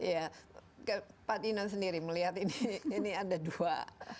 ya pak dino sendiri melihat ini ada dua